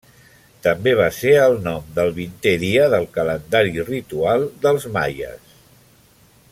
També va ser el nom del vintè dia del calendari ritual dels maies.